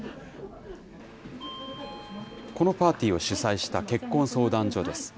このパーティーを主催した結婚相談所です。